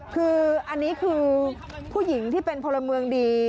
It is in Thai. คืออันนี้คือผู้หญิงที่เป็นพลเมืองดี